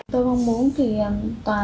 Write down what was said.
tôi mong muốn